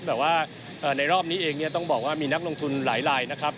แต่ว่าในรอบนี้เองเนี่ยต้องบอกว่ามีนักลงทุนหลายนะครับ